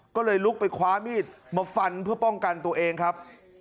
ก็เลยลุกไปคว้ามีดมาฟันเพื่อป้องกันตัวเองครับ